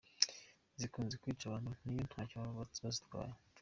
Zikunze kwica abantu n’iyo ntacyo baba bazitwaye.